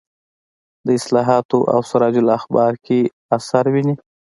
د اصلاحاتو او سراج الاخبار کې اثر ویني.